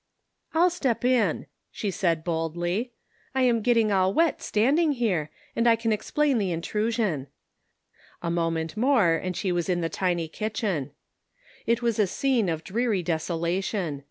" I'll step in," she said, boldly; "I am getting all wet standing here, and I can explain the intrusion. A An Open Door. ~ 291 moment more and she was in the tiny kitchen. It was a scene of dreary desolation.